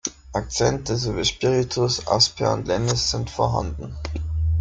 Akzente sowie Spiritus asper und lenis sind vorhanden.